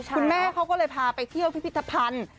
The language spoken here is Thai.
คุณแม่เขาก็เลยพาไปเที่ยวพิพิธภัณฑ์